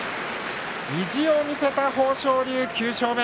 意地を見せた豊昇龍、９勝目。